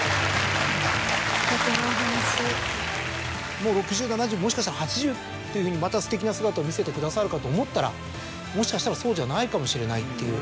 もう６０７０もしかしたら８０というふうにまたすてきな姿を見せてくださるかと思ったらもしかしたらそうじゃないかもしれないっていう。